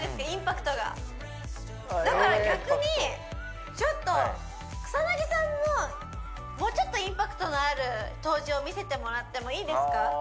インパクトがだから逆にちょっと草薙さんももうちょっとインパクトのある登場見せてもらってもいいですか？